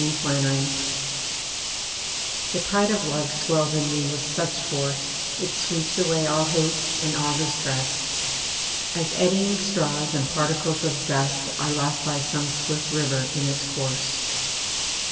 THE LAW The tide of love swells in me with such force, It sweeps away all hate and all distrust. As eddying straws and particles of dust Are lost by some swift river in its course.